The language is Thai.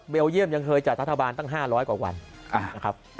เมลเยี่ยมยังเฮยจากทัศนาบาลตั้ง๕๐๐กว่าวัน